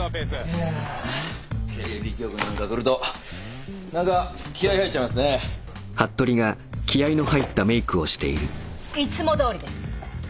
いやテレビ局なんか来ると何か気合入っちゃいますね。いつもどおりです。